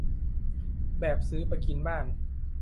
แบบซื้อไปกินบ้าน